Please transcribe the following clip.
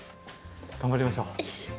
頑張りましょう。